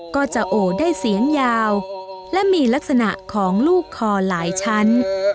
ก็จะโอได้เสียงยาวและมีลักษณะของลูกคอหลายชั้น